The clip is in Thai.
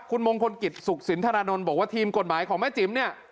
คุณมงคลกิจสุขสินธรานนท์บอกว่าทีมกฎหมายของแม่จิ๋มเนี่ย